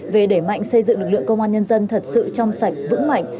về đẩy mạnh xây dựng lực lượng công an nhân dân thật sự trong sạch vững mạnh